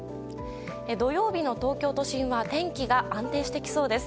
土曜日の東京都心は天気が安定してきそうです。